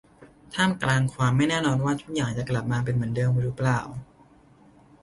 ท่ามกลางความไม่แน่นอนว่าทุกอย่างจะกลับมาเป็นเหมือนเดิมหรือเปล่า